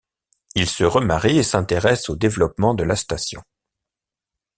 Il se remarie et s'intéresse au développement de la station.